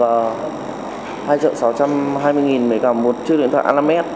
mới cả một chiếc điện thoại alamed